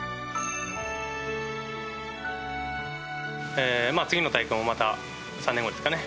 えーまあ次の大会もまた３年後ですかね